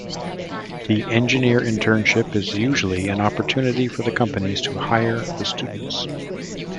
The engineer internship is usually an opportunity for the companies to hire the students.